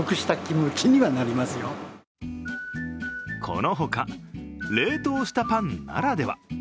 このほか、冷凍したパンならでは。